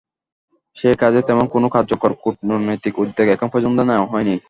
সে কাজে তেমন কোনো কার্যকর কূটনৈতিক উদ্যোগ এখন পর্যন্ত নেওয়া হয়নি।